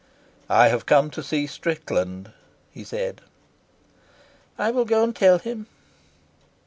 "I have come to see Strickland," he said. "I will go and tell him."